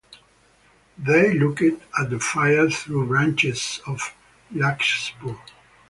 They looked at the fire through branches of larkspur.